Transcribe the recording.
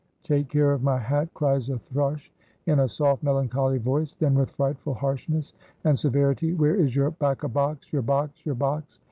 Take care o' my hat! cries a thrush, in a soft, melancholy voice; then with frightful harshness and severity, where is your bacca box! your box! your box!